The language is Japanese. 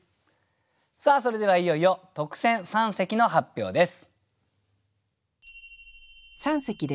さあそれではいよいよ特選三席の発表です。